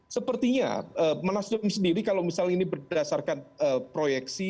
sepertinya mas umam sendiri kalau misalnya ini berdasarkan proyeksi